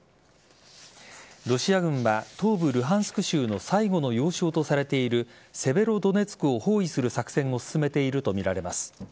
ロシア軍は東部・ルハンスク州の最後の要衝とされているセベロドネツクを包囲する作戦を進めていると見られます。